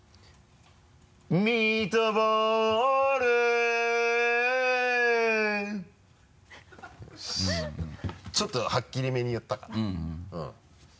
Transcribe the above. ミトボルよしちょっとはっきりめに言ったかな。